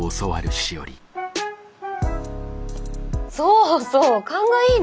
そうそう勘がいいね。